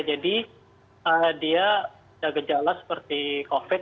jadi dia agak jelas seperti covid sembilan belas